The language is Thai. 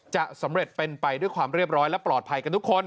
จะสำเร็จเป็นไปด้วยความเรียบร้อยและปลอดภัยกันทุกคน